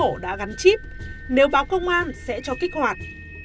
điều đó đe dọa nổ đã gắn chịp nếu báo công an sẽ cho kích hoạt